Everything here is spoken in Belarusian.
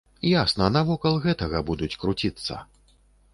Ясна, навакол гэтага будуць круціцца.